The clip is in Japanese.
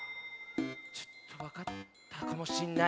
ちょっとわかったかもしんない。